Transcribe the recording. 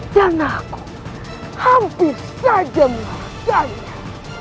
dan aku hampir saja melakukannya